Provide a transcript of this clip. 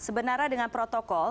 sebenarnya dengan protokol